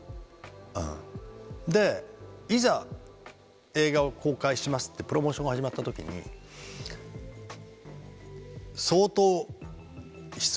でいざ映画を公開しますってプロモーションが始まった時に相当質問が来たね。